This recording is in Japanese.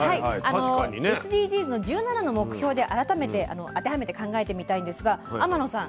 ＳＤＧｓの１７の目標で改めて当てはめて考えてみたいんですが天野さん